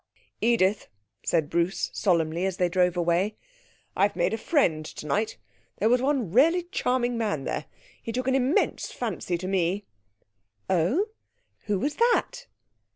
'Edith,' said Bruce solemnly, as they drove away, 'I've made a friend tonight. There was one really charming man there he took an immense fancy to me.' 'Oh who was that?'